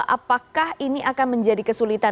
apakah ini akan menjadi kesulitan